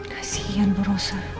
kasian bu rosa